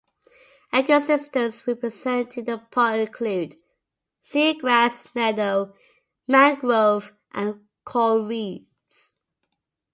Ecosystems represented in the park include seagrass meadow, mangrove and coral reefs.